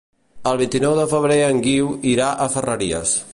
El vint-i-nou de febrer en Guiu irà a Ferreries.